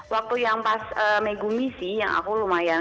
waktu yang pas megumi sih yang aku lumayan